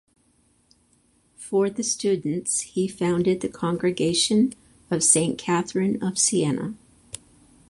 For the students he founded the Congregation of Saint Catherine of Siena.